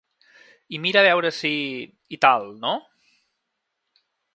I mira a veure si… i tal, no?.